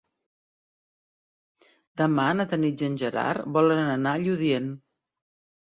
Demà na Tanit i en Gerard volen anar a Lludient.